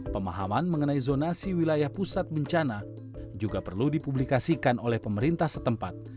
pemahaman mengenai zonasi wilayah pusat bencana juga perlu dipublikasikan oleh pemerintah setempat